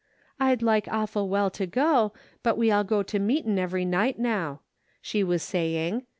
" I'd like awful well to go, but we all go to meetin' every night now," she was saying.